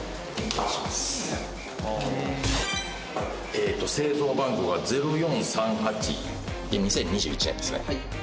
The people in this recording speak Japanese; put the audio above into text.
えっと製造番号が０４３８２０２１年ですね。